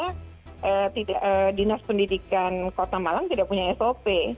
karena dinas pendidikan kota malang tidak punya sop